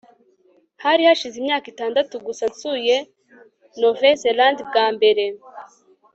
hari hashize imyaka itandatu gusa nsuye nouvelle-zélande bwa mbere